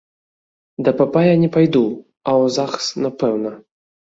Да папа я не пайду, а ў загс напэўна.